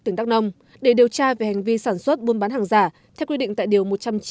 tỉnh đắk nông để điều tra về hành vi sản xuất buôn bán hàng giả theo quy định tại điều một trăm chín mươi